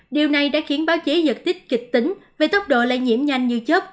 điều này đã khiến báo chí giật tích kịch tính về tốc độ lây nhiễm nhanh như chất